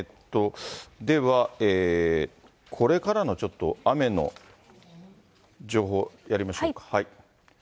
では、これからのちょっと雨の情報やりましょうか。